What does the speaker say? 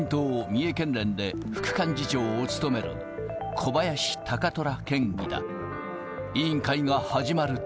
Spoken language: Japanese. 三重県連で副幹事長を務める小林貴虎県議だ。